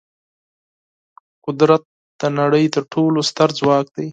قدرت د نړۍ تر ټولو ستر ځواک دی.